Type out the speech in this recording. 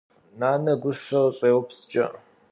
Нанэ гущэр щӏеупскӏэ.